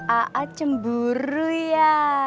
aatisna cemburu ya